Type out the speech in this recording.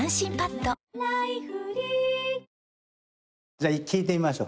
じゃあ聞いてみましょう。